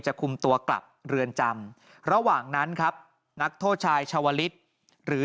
คุมตัวกลับเรือนจำระหว่างนั้นครับนักโทษชายชาวลิศหรือ